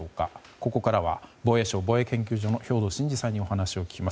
ここからは、防衛省防衛研究所の兵頭慎治さんにお話を聞きます。